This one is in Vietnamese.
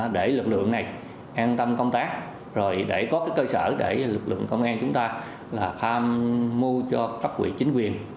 để lực lượng này an tâm công tác rồi để có cái cơ sở để lực lượng công an chúng ta là tham mưu cho các quỷ chính quyền